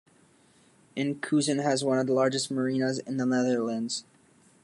Enkhuizen has one of the largest marinas in the Netherlands.